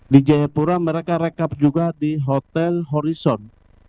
di jayapura mereka rekap juga di hotel horison